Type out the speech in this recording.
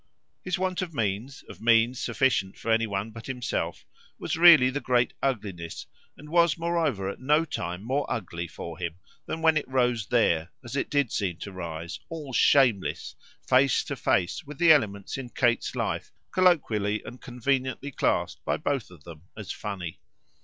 His want of means of means sufficient for any one but himself was really the great ugliness, and was moreover at no time more ugly for him than when it rose there, as it did seem to rise, all shameless, face to face with the elements in Kate's life colloquially and conveniently classed by both of them as funny.